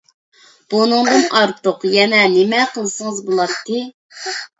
بۇنىڭدىن ئارتۇق يەنە نېمە قىلسىڭىز بولاتتى؟